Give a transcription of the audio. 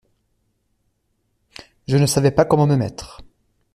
Je ne savais pas comment me mettre.